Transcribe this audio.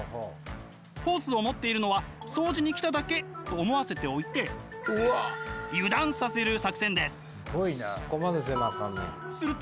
ホースを持っているのは掃除に来ただけと思わせておいて油断させる作戦です。